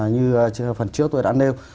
như phần trước tôi đã nêu